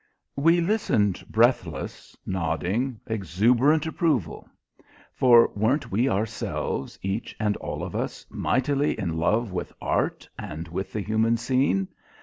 We listened breathless, nodding exuberant approval. For weren't we ourselves, each and all of us, mightily in love with art and with the human scene?